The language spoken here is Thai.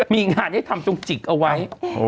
มีงานให้ทำจงจิกเอาไว้